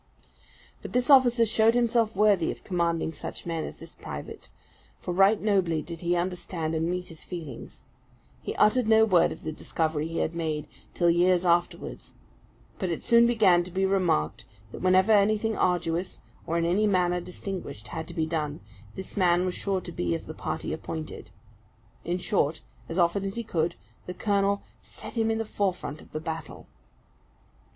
But this officer showed himself worthy of commanding such men as this private; for right nobly did he understand and meet his feelings. He uttered no word of the discovery he had made, till years afterwards; but it soon began to be remarked that whenever anything arduous, or in any manner distinguished, had to be done, this man was sure to be of the party appointed. In short, as often as he could, the colonel "set him in the forefront of the battle."